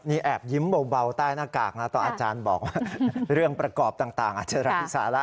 นี่แอบยิ้มเบาใต้หน้ากากนะตอนอาจารย์บอกว่าเรื่องประกอบต่างอาจจะรับพิษาแล้ว